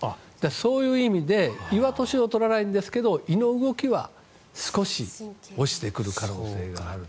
そういう意味で胃は年を取らないんですけど胃の動きは少し落ちてくる可能性があると。